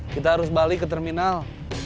kita harus balik ke terminal